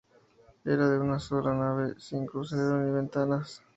Era de una sola nave, sin crucero ni ventanas"".